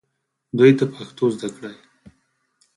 دوی ته پښتو زده کړئ